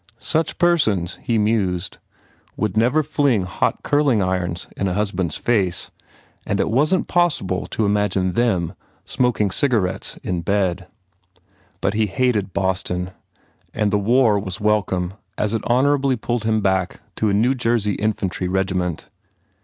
Such persons, he mused, would never fling hot curling irons in a husband s face and it wasn t possible to imagine them smoking cig 23 THE FAIR REWARDS arcttcs in bed. But he hated Boston and the war was welcome as it honourably pulled him back to a New Jersey Infantry regiment.